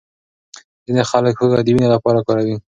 ځینې خلک هوږه د وینې لپاره کاروي.